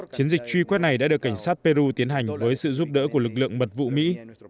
chiến dịch truy quét này đã được cảnh sát peru tiến hành với sự giúp đỡ của lực lượng mật vụ mỹ